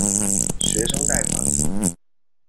学生贷款。